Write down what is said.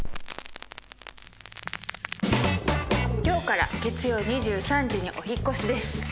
今日から月曜２３時にお引っ越しです。